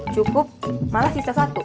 cukup malah sisa satu